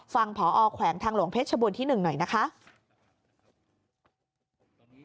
ฟังพอแขวงทางหลวงเพชรบนที่๑หน่อยนะคะ